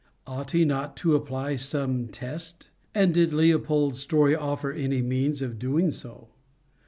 Ought he not to apply some test? And did Leopold's story offer any means of doing so?